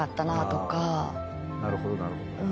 なるほどなるほど。